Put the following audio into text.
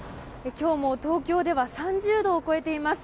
今日も東京では３０度を超えています。